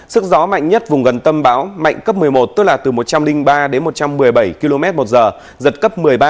sức gió mạnh nhất vùng gần tâm bão mạnh cấp một mươi một tức là từ một trăm linh ba đến một trăm một mươi bảy km một giờ giật cấp một mươi ba